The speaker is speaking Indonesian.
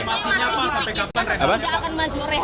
masih nyapa sampai kapan rehat